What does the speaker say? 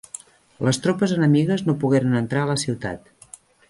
Les tropes enemigues no pogueren entrar a la ciutat.